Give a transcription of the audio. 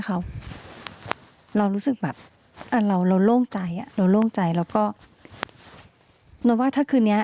เขาเรารู้สึกแบบเราเราโล่งใจอ่ะเราโล่งใจแล้วก็นนว่าถ้าคืนนี้